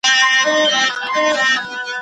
غریبان په شتمنۍ کي برخه لري.